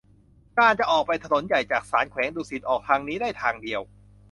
การจะออกไปถนนใหญ่ จากศาลแขวงดุสิต ออกทางนี้ได้ทางเดียว